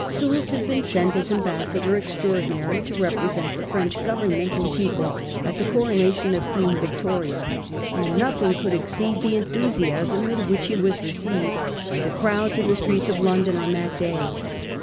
Soult had been sent as ambassador extraordinary to represent the French Government and people at the coronation of Queen Yictoria, and nothing could exceed the en thusiasm with which he was received by the crowds in the streets of London on that day.